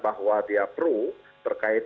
bahwa dia pro terkait